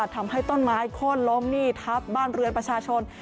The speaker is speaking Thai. ทำให้ต้นไม้โค้นล้มนี่ทับบ้านเรือนประชาชน